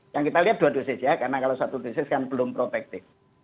yang kita lihat dua dosis ya karena kalau satu dosis kan belum protektif